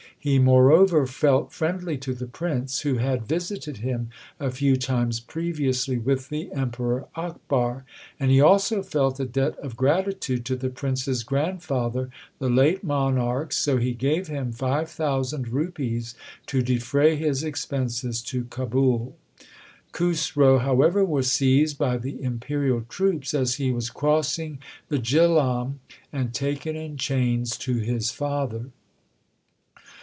He, moreover, felt friendly to the Prince, who had visited him a few times previously with the Emperor Akbar ; and he also felt a debt of gratitude to the Prince s grand father, the late monarch, so he gave him five thousand rupees to defray his expenses to Kabul. Khusro, however, was seized by the imperial troops as he was crossing the Jihlam, and taken in chains to his father.